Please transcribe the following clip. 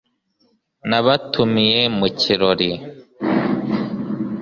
nabatumiye mu kirori